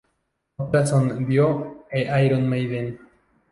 Otras son Dio e Iron Maiden.